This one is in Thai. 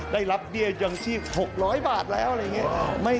ได้รับเบี้ยยังชีพ๖๐๐บาทแล้วอะไรอย่างนี้